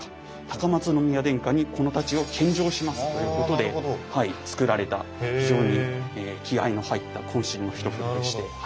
高松宮殿下にこの太刀を献上しますということでつくられた非常に気合いの入ったこん身の一振りでして。